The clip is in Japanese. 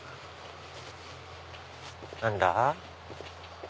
何だ？